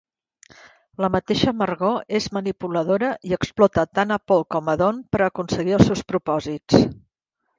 La mateixa Margo és manipuladora i explota tant a Paul com a Don per aconseguir els seus propòsits.